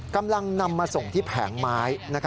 กำลังนำมาส่งที่แผงไม้